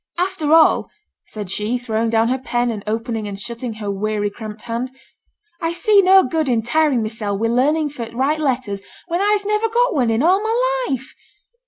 'After all,' said she, throwing down her pen, and opening and shutting her weary, cramped hand, 'I see no good in tiring myself wi' learning for t' write letters when I'se never got one in a' my life.